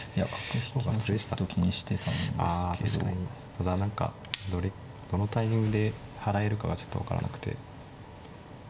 ただ何かどのタイミングで払えるかがちょっと分からなくて。